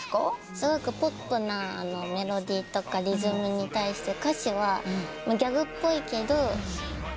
すごくポップなメロディーとかリズムに対して歌詞はギャグっぽいけどすごい生きづらさを感じて。